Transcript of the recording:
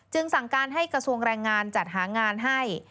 สั่งการให้กระทรวงแรงงานจัดหางานให้